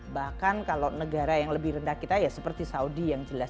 bahkan kalau negara yang lebih rendah kita seperti saudi